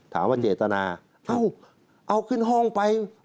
ถามว่าเจตนาเอาขึ้นห้องไป